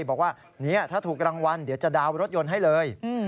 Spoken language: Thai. บอกว่าถ้าถูกรางวัลเดี๋ยวจะดาวน์รถยนต์ให้เลย